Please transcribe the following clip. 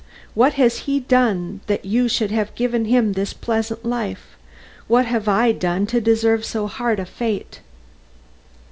What has he done that you should give him this pleasant life what have I done to deserve so hard a fate?"